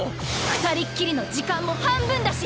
二人っきりの時間も半分だし！